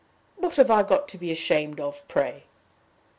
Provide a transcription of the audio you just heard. "What have I done to be ashamed of, pray?"